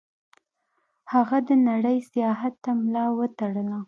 هغه د نړۍ سیاحت ته ملا وتړله.